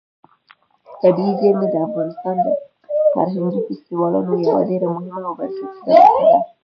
طبیعي زیرمې د افغانستان د فرهنګي فستیوالونو یوه ډېره مهمه او بنسټیزه برخه ده.